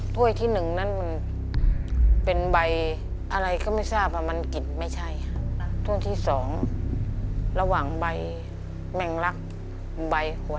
ถ้วยที่๑นั้นมันเป็นใบอะไรก็ไม่ทราบ